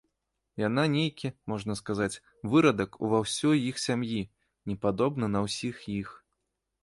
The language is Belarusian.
Яна нейкі, можна сказаць, вырадак ува ўсёй іх сям'і, не падобна на ўсіх іх.